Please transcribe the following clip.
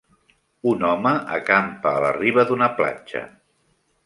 Un home acampa a la riba d'una platja.